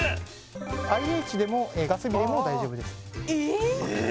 ＩＨでもガス火でも大丈夫ですねええ